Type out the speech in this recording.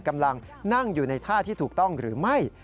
กำลังนั่งอยู่ในท่าที่ถูกต้องหรือไม่